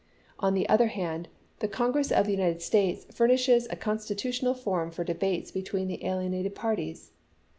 On the other hand, the Congress of the United States furnishes a consti tutional forum for debates between the alienated parties.